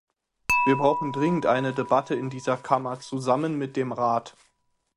Wir brauchen dringend eine Debatte in dieser Kammer zusammen mit dem Rat.